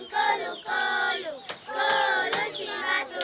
kolu si batu